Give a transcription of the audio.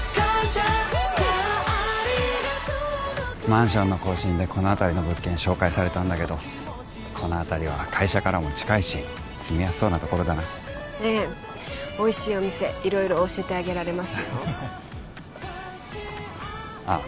マンションの更新でこの辺りの物件紹介されたんだけどこの辺りは会社からも近いし住みやすそうなところだなええおいしいお店色々教えてあげられますよあっ